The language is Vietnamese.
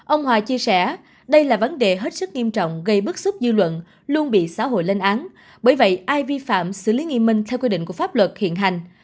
ông hòa chia sẻ đây là vấn đề hết sức nghiêm trọng gây bức xúc dư luận luôn bị xã hội lên án bởi vậy ai vi phạm xử lý nghiêm minh theo quy định của pháp luật hiện hành